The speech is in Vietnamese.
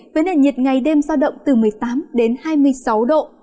với nền nhiệt ngày đêm giao động từ một mươi tám đến hai mươi sáu độ